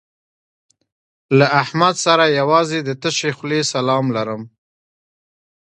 له احمد سره یوازې د تشې خولې سلام لرم.